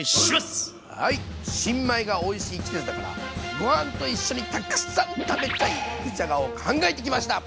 新米がおいしい季節だからご飯と一緒にたくさん食べたい肉じゃがを考えてきました！